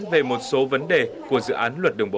về một số vấn đề của dự án luật đường bộ